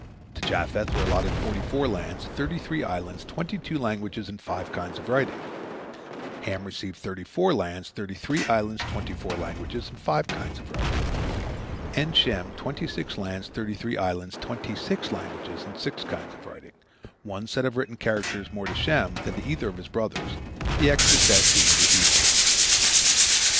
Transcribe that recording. To Japheth were allotted forty four lands, thirty three islands, twenty two languages, and five kinds of writing; Ham received thirty four lands, thirty three islands, twenty four languages, and five kinds of writing; and Shem twenty six lands, thirty three islands, twenty six languages, and six kinds of writing—one set of written characters more to Shem than to either of his brothers, the extra set being the Hebrew.